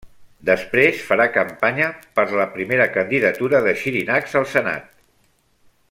Després farà campanya per la primera candidatura de Xirinacs al Senat.